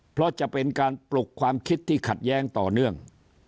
เพราะจะเป็นการปลุกความคิดที่ขัดแย้งต่อเนื่อง